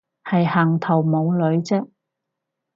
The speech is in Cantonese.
係行頭冇女啫